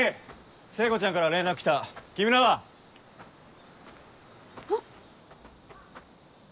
聖子ちゃんから連絡来た木村は？えっ？